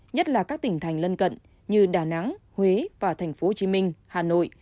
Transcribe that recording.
nhất là các tỉnh thành lân cận như đà nẵng huế và tp hcm hà nội